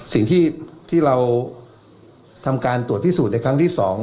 สิ่งที่เราทำการตรวจพิสูจน์ในครั้งที่๒